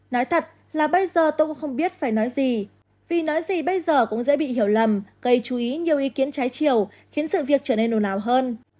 nói thật là bây giờ tôi cũng không biết phải nói gì vì nói gì bây giờ cũng dễ bị hiểu lầm gây chú ý nhiều ý kiến trái chiều khiến sự việc trở nên ồn ào hơn